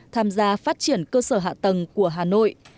tham gia phát triển cơ sở hạ tầng của hà nội